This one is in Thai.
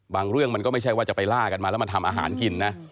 เรื่องมันก็ไม่ใช่ว่าจะไปล่ากันมาแล้วมาทำอาหารกินนะ